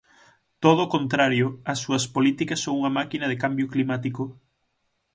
Todo o contrario, as súas políticas son unha máquina de cambio climático.